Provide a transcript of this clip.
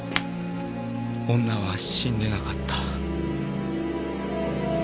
女は死んでなかった。